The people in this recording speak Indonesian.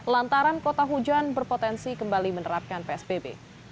lantaran kota hujan berpotensi kembali menerapkan psbb